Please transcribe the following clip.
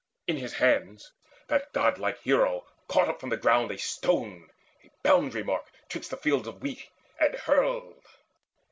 In his hands That godlike hero caught up from the ground A stone, a boundary mark 'twixt fields of wheat, And hurled.